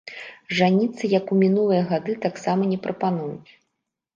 Жаніцца, як у мінулыя гады, таксама не прапануюць.